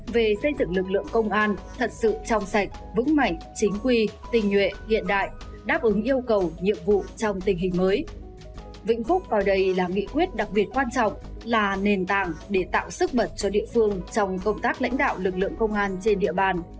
vĩnh phúc coi đây là nghị quyết đặc biệt quan trọng là nền tảng để tạo sức mật cho địa phương trong công tác lãnh đạo lực lượng công an trên địa bàn